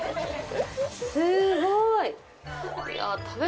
すごい！